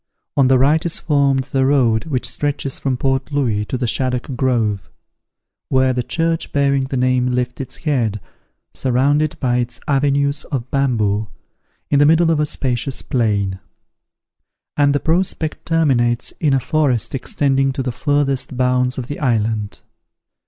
On the right is formed the road which stretches from Port Louis to the Shaddock Grove, where the church bearing that name lifts its head, surrounded by its avenues of bamboo, in the middle of a spacious plain; and the prospect terminates in a forest extending to the furthest bounds of the island.